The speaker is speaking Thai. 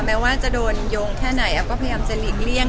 แม้ว่าจะโดนโยงแค่ไหนแอฟก็พยายามจะหลีกเลี่ยง